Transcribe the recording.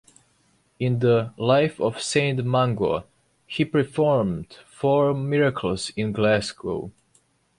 In the "Life of Saint Mungo", he performed four miracles in Glasgow.